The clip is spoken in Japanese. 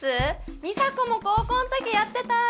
ミサコも高校の時やってた！